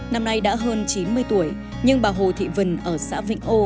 năm nay đã hơn chín mươi tuổi nhưng bà hồ thị vân ở xã vịnh âu